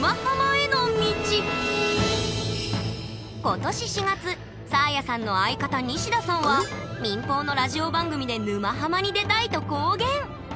今年４月サーヤさんの相方ニシダさんは民放のラジオ番組で「沼ハマ」に出たいと公言。